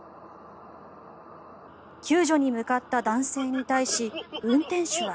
救助に向かった男性に対し運転手は。